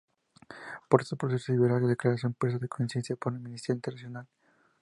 Por estos procesos recibió la declaración preso de conciencia por Amnistía Internacional.